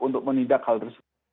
untuk menindak hal resmi